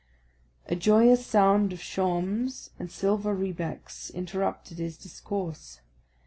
A joyous sound of shawms and silver rebecks interrupted his discourse.